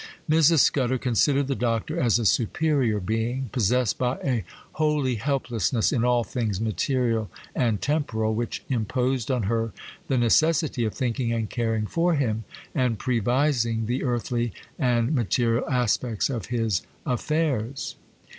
Mrs. Scudder considered the Doctor as a superior being, possessed by a holy helplessness in all things material and temporal, which imposed on her the necessity of thinking and caring for him, and prevising the earthly and material aspects of his affairs.